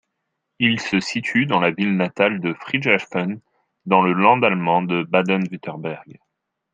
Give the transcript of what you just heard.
Il se situe dans la ville de Friedrichshafen, dans le Land allemand du Bade-Wurtemberg.